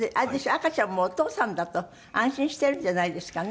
赤ちゃんもお父さんだと安心してるんじゃないですかね？